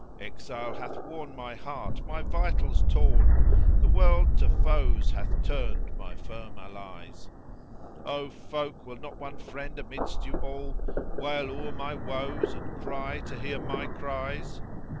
Exile hath worn my heart, my vitals torn; The World to foes hath turned my firm allies. O folk, will not one friend amidst you all * Wail o'er my woes, and cry to hear my cries?